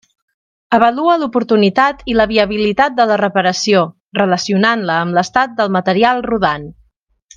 Avalua l'oportunitat i la viabilitat de la reparació, relacionant-la amb l'estat del material rodant.